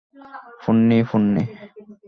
Ponni, Ponni?